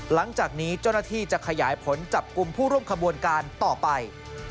หลังจากนี้เจ้าหน้าที่จะขยายผลจับกลุ่มผู้ร่วมขบวนการต่อไป